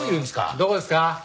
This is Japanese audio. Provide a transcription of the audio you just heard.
どこですか？